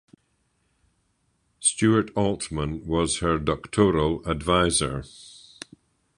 Stuart Altman was her doctoral advisor.